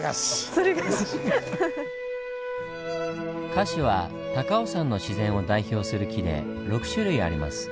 カシは高尾山の自然を代表する木で６種類あります。